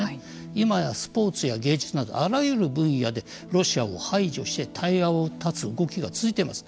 今や、スポーツや芸術などあらゆる分野でロシアを排除して対話を断つ動きが続いています。